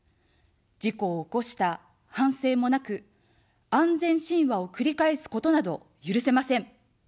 事故を起こした反省もなく、安全神話を繰り返すことなど許せません。